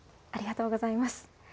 ありがとうございます。